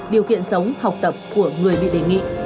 điều kiện sống học tập của người bị đề nghị